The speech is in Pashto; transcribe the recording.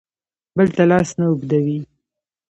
بل ته لاس نه اوږدوي.